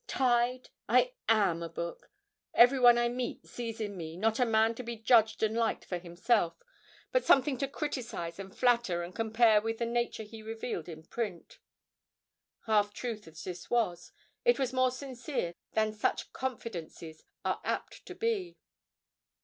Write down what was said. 'Tied? I am a book. Everyone I meet sees in me, not a man to be judged and liked for himself, but something to criticise and flatter and compare with the nature he revealed in print.' Half truth as this was, it was more sincere than such confidences are apt to be.